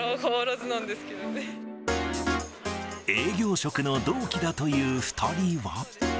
営業職の同期だという２人は。